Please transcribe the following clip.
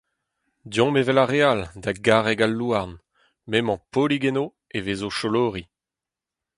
Deomp evel ar re all, da Garreg-al-Louarn. M’emañ Paolig eno, e vezo cholori.